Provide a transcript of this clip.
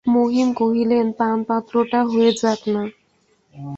মহিম কহিলেন, পানপত্রটা হয়ে যাক-না।